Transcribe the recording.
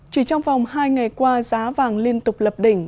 chỉ trong vòng hai ngày qua giá vàng liên tục lập đỉnh